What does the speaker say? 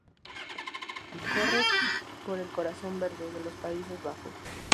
Corre por "el corazón verde" de los Países Bajos.